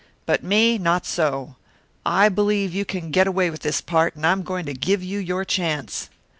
But me not so. I believe you can get away with this part, and I'm going to give you your chance."